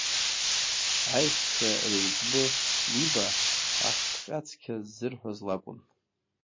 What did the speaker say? Аиҳәшьцәа реиҵбы Биба ахҭҟьа-цқьа ззырҳәоз лакәын.